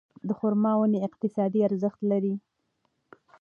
د خورما ونې اقتصادي ارزښت لري.